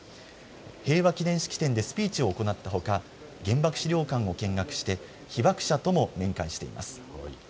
平和記念式典でスピーチを行ったほか原爆資料館を見学して被爆者とも面会しています。